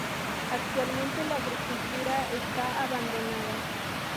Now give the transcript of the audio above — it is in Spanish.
Actualmente la agricultura esta abandonada.